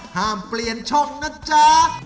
ห้ามเปลี่ยนช่องนะจ๊ะ